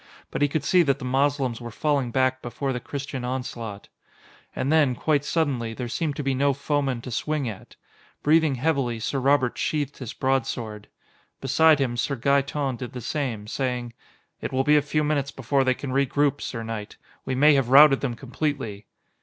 But he could see that the Moslems were falling back before the Christian onslaught. And then, quite suddenly, there seemed to be no foeman to swing at. Breathing heavily, Sir Robert sheathed his broadsword. Beside him, Sir Gaeton did the same, saying: "It will be a few minutes before they can regroup, sir knight. We may have routed them completely."